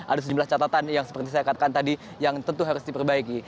ada sejumlah catatan yang seperti saya katakan tadi yang tentu harus diperbaiki